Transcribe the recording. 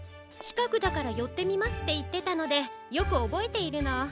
「ちかくだからよってみます」っていってたのでよくおぼえているの。